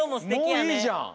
もういいじゃん。